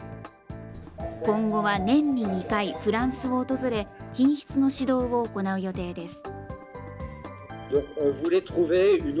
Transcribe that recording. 今後は年に２回、フランスを訪れ、品質の指導を行う予定です。